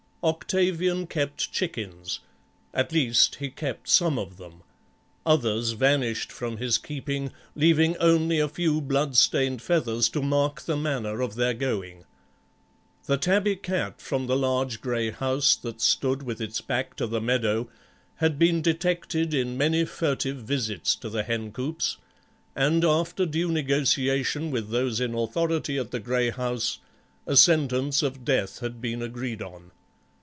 Octavian kept chickens; at least he kept some of them; others vanished from his keeping, leaving only a few bloodstained feathers to mark the manner of their going. The tabby cat from the large grey house that stood with its back to the meadow had been detected in many furtive visits to the hen coups, and after due negotiation with those in authority at the grey house a sentence of death had been agreed on.